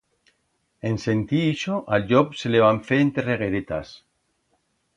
En sentir ixo, a'l llop se le van fer entregueretas.